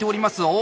お！